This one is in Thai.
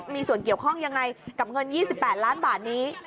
มีส่วนเกี่ยวข้องยังไงกับเงิน๒๘ล้านบาทนี้